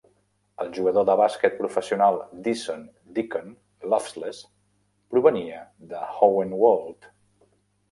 El jugador de bàsquet professional Deason "Decon" Loveless provenia de Hohenwald.